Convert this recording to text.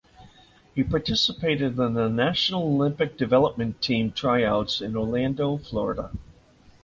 He participated in the National Olympic Development Team Tryouts in Orlando Florida.